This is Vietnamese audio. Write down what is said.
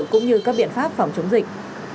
cũng như các biện pháp phòng chống dịch